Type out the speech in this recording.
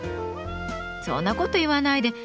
そんなこと言わないでほら